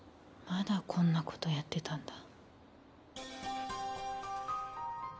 まだこんなことやってたんだ。